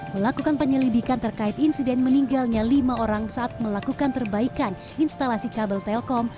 melakukan penyelidikan terkait insiden meninggalnya lima orang saat melakukan perbaikan instalasi kabel telkom